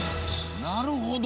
なるほど。